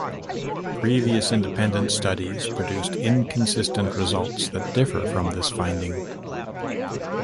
Previous independent studies produced inconsistent results that differ from this finding.